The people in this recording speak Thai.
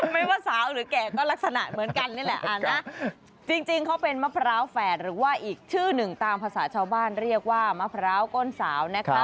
ไม่ว่าสาวหรือแก่ก็ลักษณะเหมือนกันนี่แหละจริงเขาเป็นมะพร้าวแฝดหรือว่าอีกชื่อหนึ่งตามภาษาชาวบ้านเรียกว่ามะพร้าวก้นสาวนะคะ